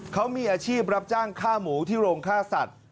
เขามีอาชีพรับจ้างค่าหมูที่โรงฆ่าสัตว์